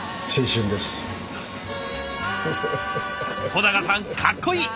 保永さんかっこいい！